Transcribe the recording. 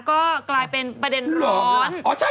ก็กลายเป็นประเด็นร้อน